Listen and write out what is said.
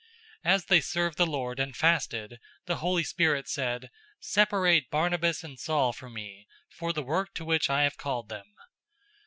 013:002 As they served the Lord and fasted, the Holy Spirit said, "Separate Barnabas and Saul for me, for the work to which I have called them."